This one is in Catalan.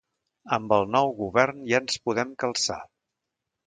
Amb el nou govern ja ens podem calçar.